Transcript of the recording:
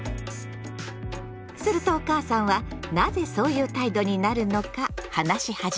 するとお母さんはなぜそういう態度になるのか話し始めた。